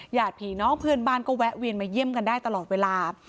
ญาติผีน้องเพื่อนบ้านก็แวะเวียนมาเยี่ยมกันได้ตลอดเวลา